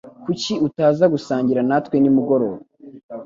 Kuki utaza gusangira natwe nimugoroba?